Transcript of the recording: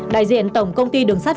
đại diện tổng công ty đường sắt